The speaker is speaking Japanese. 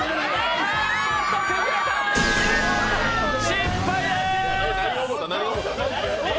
失敗でーす！